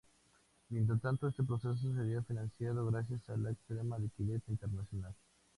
Mientras tanto este proceso sería financiado gracias a la extrema liquidez internacional.